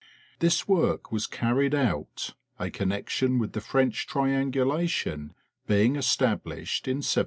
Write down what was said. This work was carried out, a connection with the French trian gulation being established in 1786.